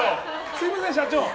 すみません、社長。